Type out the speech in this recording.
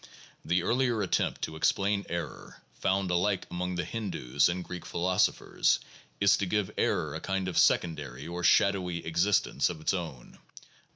The earlier attempt to explain error, found alike among the Hindoos and Greek philosophers, is to give error a kind of secondary or shadowy existence of its own.